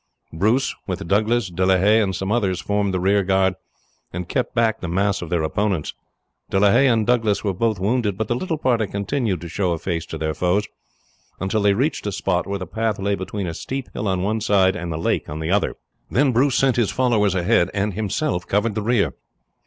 Bruce, with Douglas, De la Haye, and some others, formed the rearguard and kept back the mass of their opponents. De la Haye and Douglas were both wounded, but the little party continued to show a face to their foes until they reached a spot where the path lay between a steep hill on one side and the lake on the other. Then Bruce sent his followers ahead, and himself covered the rear.